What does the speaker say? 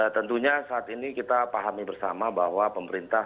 tentunya saat ini kita pahami bersama bahwa pemerintah